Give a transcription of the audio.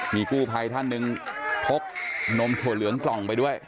มีกู้ภัยท่านหนึ่งพกนมถั่วเหลืองกล่องไปด้วย